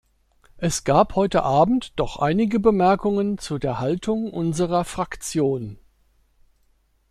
Es gab heute abend doch einige Bemerkungen zu der Haltung unserer Fraktion.